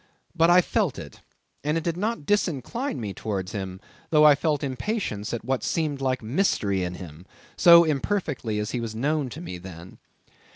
But I felt it; and it did not disincline me towards him; though I felt impatience at what seemed like mystery in him, so imperfectly as he was known to me then.